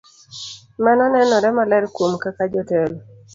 Mano nenore maler kuom kaka jotelo